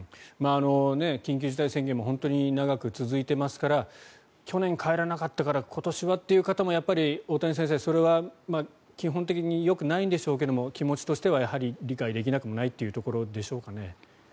緊急事態宣言も本当に長く続いていますから去年、帰らなかったから今年はという方もやっぱり大谷先生、それは基本的によくないんでしょうけど気持ちとしてはやはり理解できなくもないというところでしょうかね。